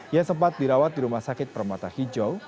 yang sempat dirawat di rumah sakit permata hijau